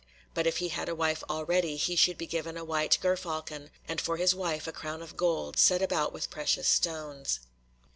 But if he had a wife already he should be given a white ger falcon, and for his wife a crown of gold, set about with precious stones.